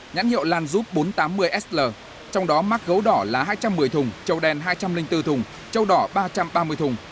nhãn hiệu lanzup bốn trăm tám mươi sl trong đó mắc gấu đỏ là hai trăm một mươi thùng châu đen hai trăm linh bốn thùng châu đỏ ba trăm ba mươi thùng